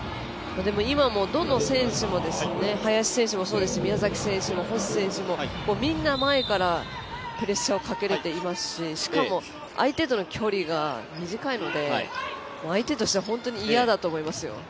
今も、どの選手も林選手もそうですし宮崎選手も星選手もみんな前からプレッシャーをかけれていますししかも相手との距離が短いので相手としては本当に嫌だと思いますよ。